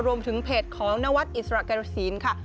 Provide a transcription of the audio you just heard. รวมถึงเพจของนวัดอิสระการศีลค่ะ